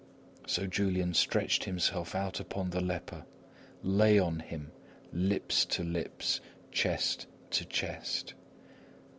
So Julian stretched himself out upon the leper, lay on him, lips to lips, chest to chest.